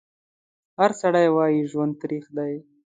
هر سړی وایي ژوند تریخ دی